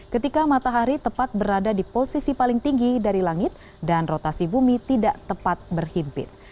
ketika matahari tepat berada di posisi paling tinggi dari langit dan rotasi bumi tidak tepat berhimpit